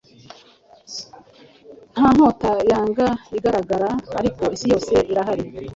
Nta nkotayangaigaragaraariko isi yose irahari